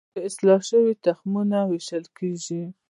د اصلاح شویو تخمونو ویشل کیږي